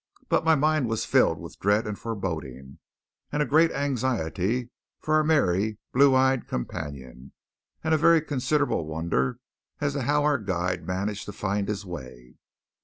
But my mind was filled with dread and foreboding, and a great anxiety for our merry, blue eyed companion, and a very considerable wonder as to how our guide managed to find his way.